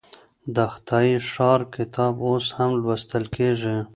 د خدای ښار کتاب اوس هم لوستل کيږي.